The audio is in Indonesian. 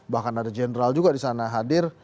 bahkan ada general juga disana hadir